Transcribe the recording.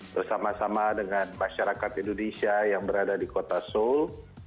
bersama sama dengan masyarakat indonesia yang berada di kota seoul